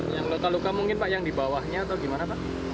yang luka luka mungkin pak yang di bawahnya atau gimana pak